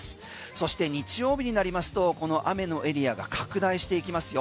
そして日曜日になりますとこの雨のエリアが拡大していきますよ。